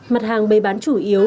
mặt hàng bày bán chủ yếu